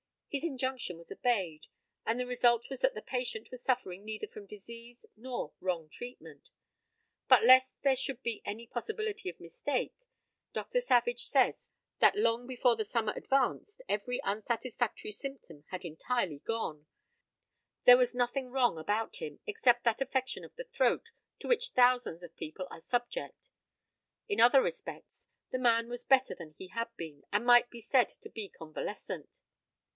His injunction was obeyed, and the result was that the patient was suffering neither from disease nor wrong treatment. But lest there should be any possibility of mistake, Dr. Savage says that long before the summer advanced every unsatisfactory symptom had entirely gone; there was nothing wrong about him, except that affection of the throat, to which thousands of people are subject. In other respects, the man was better than he had been, and might be said to be convalescent.